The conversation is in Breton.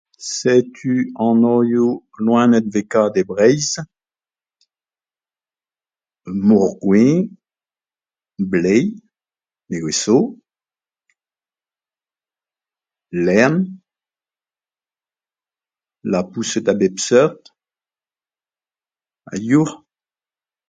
Setu anvioù loened 'vez kavet e Breizh. Moc'h-gouez, bleiz, nevez' zo, lern, laboused a bep seurt ha youc'h